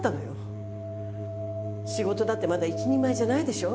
・仕事だってまだ一人前じゃないでしょ？